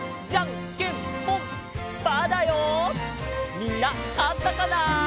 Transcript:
みんなかったかな？